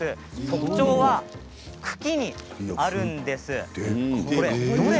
特徴は茎にあるんです。